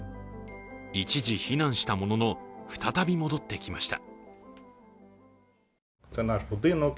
一時避難したものの、再び戻ってきました。